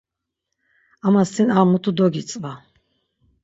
Ama sin ar mutu dogitzva.